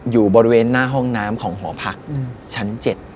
อยู่บริเวณหน้าห้องน้ำของหอพักชั้น๗